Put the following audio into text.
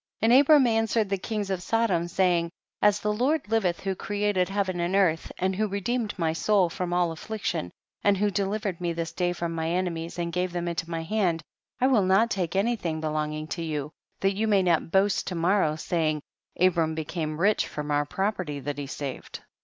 14. And Abram answered the kings of Sodom, saying, as the Lord liveth who created heaven and earth, and who redeemed my soul from all affliction, and who delivered me this day from my enemies, and gave them into my hand, 1 will not take any thing belonging to you, that you may not boast to morrow, saying, Abram became rich from our property tiiat he saved.